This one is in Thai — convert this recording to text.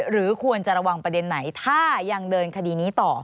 หรือควรจะระวังประเด็นไหนถ้ายังเดินคดีนี้ต่อ